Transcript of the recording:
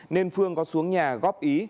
nên phương có xuống nhà góp ý